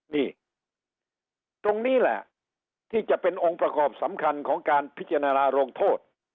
นี่ตรงนี้แหละที่จะเป็นองค์ประกอบสำคัญของการพิจารณาลงโทษ